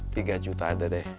tiga juta ada deh